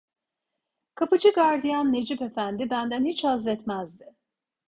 Kapıcı gardiyan Necip Efendi benden hiç hazzetmezdi.